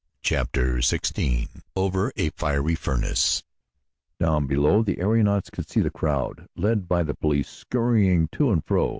Chapter 16 Over a Fiery Furnace Down below, the aeronauts could see the crowd, led by the police, scurrying to and fro.